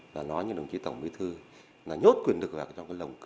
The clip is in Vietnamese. và nói như đồng chí tổng bí thư là nhốt quyền lực vào trong cái lồng cơ chế